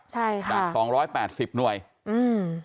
ใช่ค่ะจากสองร้อยแปดสิบหน่วยอืม